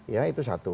ya itu satu